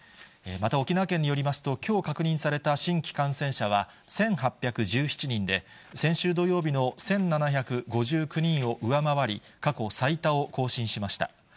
また、沖縄県によりますと、きょう確認された新規感染者は、１８１７人で、先週土曜日の１７５９人を上回り、過去最多を更新しました。